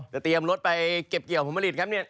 เตรียมรถไปเก็บเกี่ยวผลผลิตครับเนี่ย